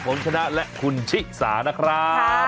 ขวมชนะและคุศิษภานะครับ